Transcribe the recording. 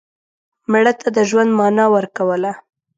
مړه ته د ژوند معنا ورکوله